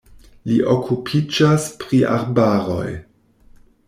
Li okupiĝas pri arbaroj.